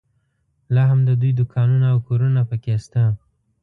لا هم د دوی دوکانونه او کورونه په کې شته.